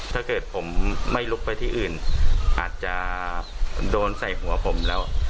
ถ้าเกิดผมไม่ลุกไปที่อื่นอาจจะโดนใส่หัวผมแล้ว